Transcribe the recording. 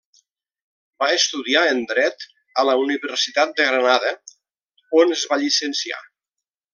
Va estudiar en Dret a la Universitat de Granada, on es va llicenciar.